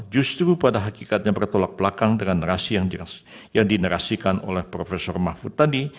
justru pada hakikatnya bertolak belakang dengan narasi yang dinerasikan oleh prof mahfud tadi